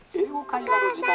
お母さん。